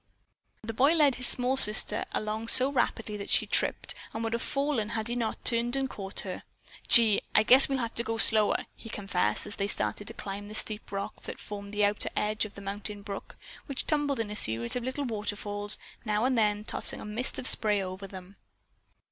The boy led his small sister along so rapidly that she tripped and would have fallen had he not turned and caught her. "Gee, I guess we'll have to go slower," he confessed as they started to climb the steep rocks that formed the outer edge of the mountain brook which tumbled in a series of little waterfalls, now and then tossing a mist of spray over them.